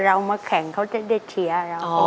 เรามาแข่งเขาจะได้เชียร์เรา